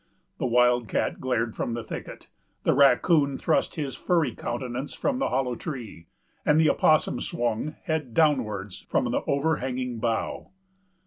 The wildcat glared from the thicket; the raccoon thrust his furry countenance from the hollow tree, and the opossum swung, head downwards, from the overhanging bough.